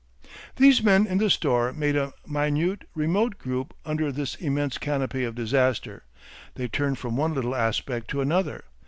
These men in the store made a minute, remote group under this immense canopy of disaster. They turned from one little aspect to another.